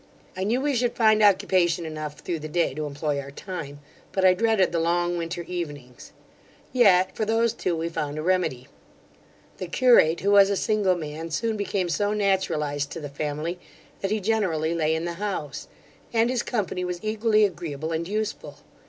I knew we should find occupation enough through the day to employ our time; but I dreaded the long winter evenings; yet, for those too we found a remedy: The curate, who was a single man, soon became so naturalized to the family, that he generally lay in the house; and his company was equally agreeable and useful.